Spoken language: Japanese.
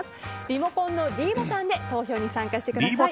リモコンのｄボタンで投票に参加してください。